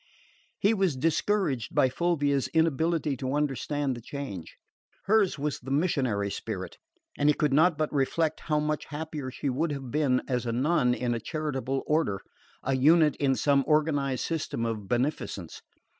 He was discouraged by Fulvia's inability to understand the change. Hers was the missionary spirit; and he could not but reflect how much happier she would have been as a nun in a charitable order, a unit in some organised system of beneficence.